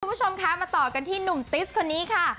คุณผู้ชมคะมาต่อกันที่หนุ่มติสคนนี้ค่ะ